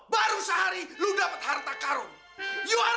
kamu bisa mencari harta karun sehari